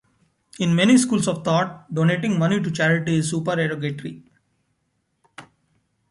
In many schools of thought, donating money to charity is supererogatory.